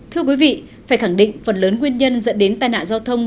thưa quý vị phải khẳng định phần lớn nguyên nhân dẫn đến tai nạn giao thông